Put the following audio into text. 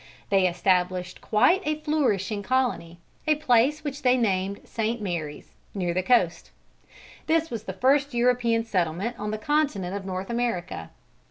They established quite a flourishing colony, at a place which they named St. Marys, near the coast. This was the first European settlement on the continent of North America.